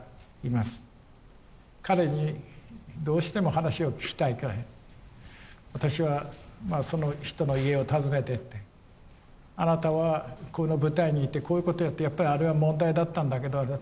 彼にどうしても話を聞きたいから私はその人の家を訪ねてってあなたはこの部隊にいてこういうことをやってやっぱりあれは問題だったんだけど。